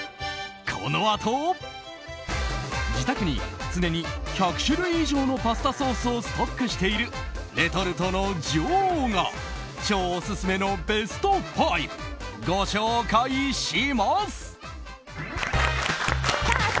このあと、自宅に常に１００種類以上のパスタソースをストックしているレトルトの女王が超オススメのベスト５ご紹介します！